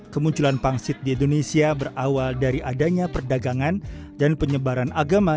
kemunculan pangsit di indonesia berawal dari adanya perdagangan dan penyebaran agama